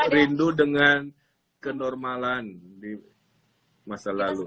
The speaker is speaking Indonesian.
rindu dengan kenormalan di masa lalu